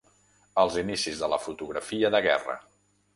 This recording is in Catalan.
Els inicis de la fotografia de guerra.